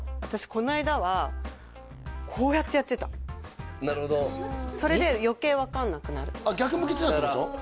この間はこうやってやってたなるほどそれで余計分かんなくなる逆向けてたってこと？